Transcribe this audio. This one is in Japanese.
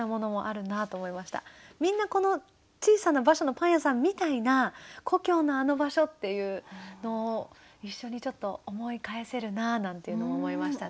みんなこの「小さな馬車のパン屋さん」みたいな故郷のあの場所っていうのを一緒にちょっと思い返せるななんていうのも思いましたね。